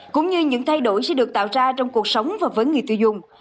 cũng như những thay đổi sẽ được tạo ra trong cuộc sống và với người tiêu dùng